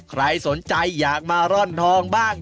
ใครสนใจอยากมาร่อนทองบ้าง